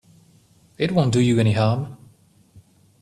It won't do you any harm.